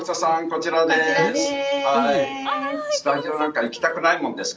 こちらです！